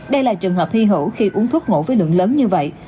đây là trường hợp thi hữu khi uống thuốc ngủ với lượng lớn như vậy